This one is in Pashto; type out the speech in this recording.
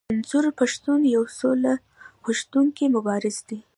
منظور پښتون يو سوله غوښتونکی مبارز دی.